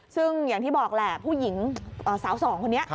ซึ่งอย่างที่บอกแหละผู้หญิงสาวสองคนนี้